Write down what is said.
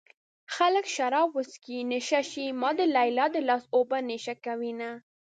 خلک شراب وڅښي نشه شي ما د ليلا د لاس اوبه نشه کوينه